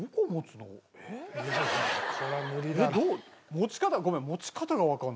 持ち方ごめん。